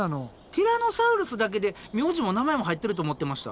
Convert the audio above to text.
ティラノサウルスだけで名字も名前も入ってると思ってました。